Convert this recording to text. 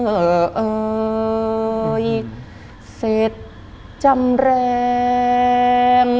เอ่ยเสร็จจำแรง